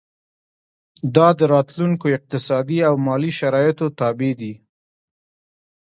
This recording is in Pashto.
دا د راتلونکو اقتصادي او مالي شرایطو تابع دي.